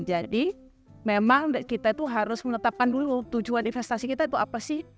jadi memang kita itu harus menetapkan dulu tujuan investasi kita itu apa sih